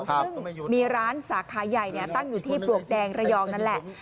ซึ่งมีร้านสาขาใหญ่ตั้งอยู่ที่ปลวกแดงระยองนั่นแหละ